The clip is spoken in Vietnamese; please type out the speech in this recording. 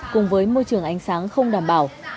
cùng với môi trường ánh sáng không đảm bảo